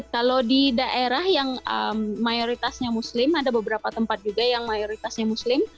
kalau di daerah yang mayoritasnya muslim ada beberapa tempat juga yang mayoritasnya muslim